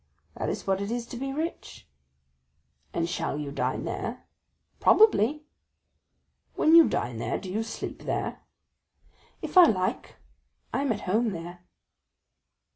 "That is what it is to be rich." "And shall you dine there?" "Probably." "When you dine there, do you sleep there?" "If I like; I am at home there."